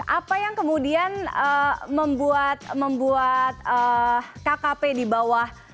apa yang kemudian membuat kkp di bawah